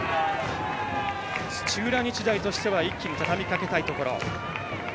土浦日大としては一気にたたみかけたいところ。